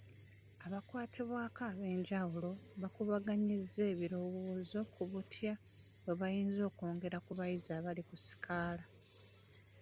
Abakwatibwako ab'enjawulo bakubaganyizza ebirowoozo ku butya bwe bayinza okwongera ku bayizi abali ku sikaala.